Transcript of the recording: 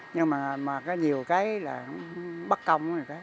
nhưng mà có nhiều cái là bất công